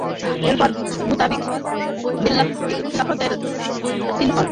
এরপর Mutadid Billah খিলাফতের মসনদে আসীন হন।